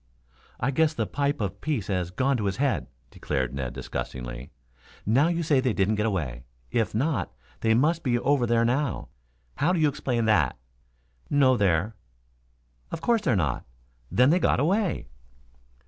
"I guess the pipe of peace has gone to his head," declared Ned disgustedly. "Now you say they didn't get away. If not, they must be over there now. How do you explain that?" "No there." "Of course they're not. Then they got away."